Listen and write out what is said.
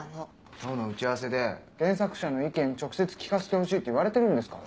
今日の打ち合わせで原作者の意見直接聞かせてほしいって言われてるんですから。